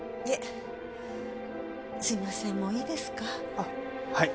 あっはい。